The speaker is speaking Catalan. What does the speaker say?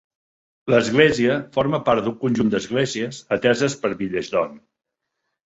L'església forma part d'un conjunt d'esglésies ateses per Billesdon.